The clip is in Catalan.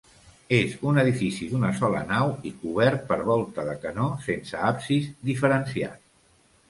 És un edifici d'una sola nau i cobert per volta de canó, sense absis diferenciat.